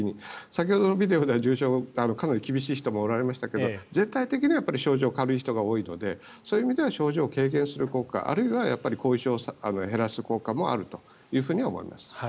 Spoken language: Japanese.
先ほどのＶＴＲではかなり厳しい人もおられますが全体的に症状が軽い人が多いので症状を軽減する効果あるいは後遺症を減らす効果もあると考えます。